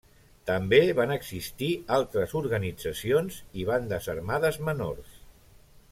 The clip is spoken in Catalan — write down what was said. També van existir altres organitzacions i bandes armades menors.